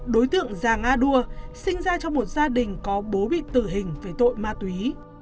đối tượng giàng a đua sinh ra trong một gia đình có bố bị tử hình về tội ma túy